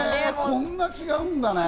こんな違うんだね。